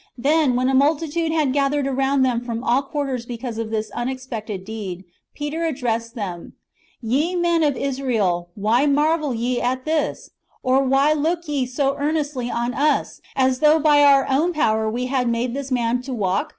^ Then, when a multitude had gathered around them from all quar ters because of this unexpected deed, Peter addressed them :'' Ye men of Israel, why marvel ye at this ; or why look ye so earnestly on us, as though by our own power we had made this man to walk